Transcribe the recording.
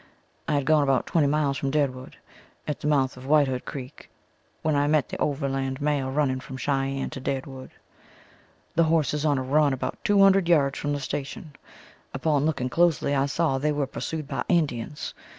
I had gone about twelve miles from Deadwood, at the mouth of Whitewood creek, when I met the overland mail running from Cheyenne to Deadwood. The horses on a run, about two hundred yards from the station; upon looking closely I saw they were pursued by Indians.